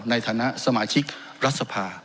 ในฐานะสมาชิกรัฐสภา